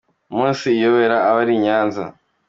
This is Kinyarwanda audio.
Umunsi iyobera abari i Nyanza